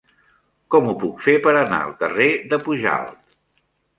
Com ho puc fer per anar al carrer de Pujalt?